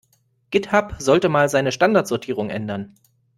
Github sollte mal seine Standardsortierung ändern.